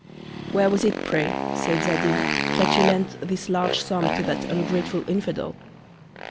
Where was it, pray, said Zadig, that you lent this large Sum to that ungrateful Infidel?